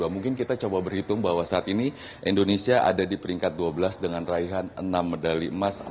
mungkin kita coba berhitung bahwa saat ini indonesia ada di peringkat dua belas dengan raihan enam medali emas